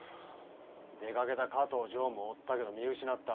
出かけた加藤常務を追ったけど見失った。